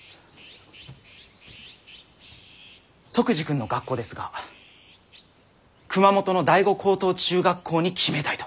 篤二君の学校ですが熊本の第五高等中学校に決めたいと。